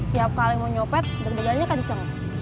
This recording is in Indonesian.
tiap kali mau nyopet berbedanya kancing